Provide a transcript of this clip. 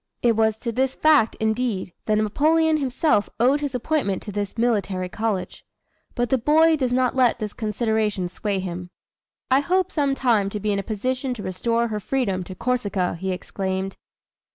It was to this fact, indeed, that Napoleon himself owed his appointment to this military college. But the boy does not let this consideration sway him. "I hope some time to be in a position to restore her freedom to Corsica!" he exclaimed.